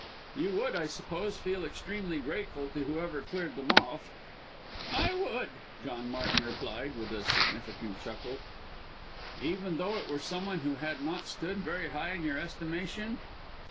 "You would, I suppose, feel extremely grateful to whoever cleared them off?" "I would," John Martin replied, with a significant chuckle. "Even though it were some one who had not stood very high in your estimation?"